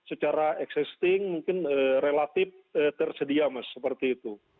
secara existing mungkin relatif tersedia mas seperti itu